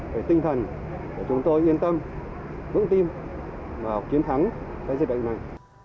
về tinh thần để chúng tôi yên tâm vững tin và kiến thắng dịch bệnh này